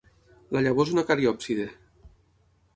La llavor és una cariòpside.